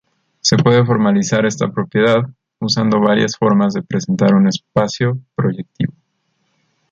Se puede formalizar esta propiedad usando varias formas de presentar un espacio proyectivo.